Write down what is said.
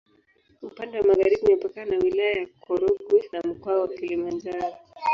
Upande wa magharibi imepakana na Wilaya ya Korogwe na Mkoa wa Kilimanjaro.